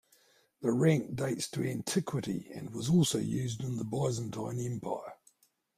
The rank dates to Antiquity and was also used in the Byzantine Empire.